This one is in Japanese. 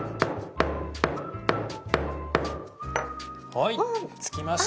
はい付きました！